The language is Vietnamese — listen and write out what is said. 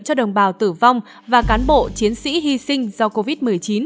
cho đồng bào tử vong và cán bộ chiến sĩ hy sinh do covid một mươi chín